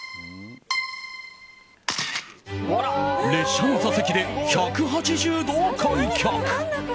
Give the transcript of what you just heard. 列車の座席で、１８０度開脚。